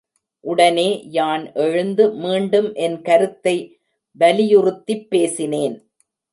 உடனே யான் எழுந்து மீண்டும் என் கருத்தை வலியுறுத்திப் பேசினேன்.